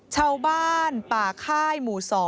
ชาวบ้านป่าค่ายหมู่๒